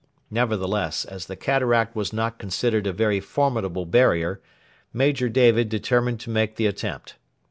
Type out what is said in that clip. Nevertheless, as the cataract was not considered a very formidable barrier, Major David determined to make the attempt.